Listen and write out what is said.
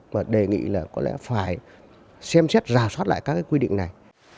và đề nghị là có lẽ phải xem xét rào soát lại các cái quy định này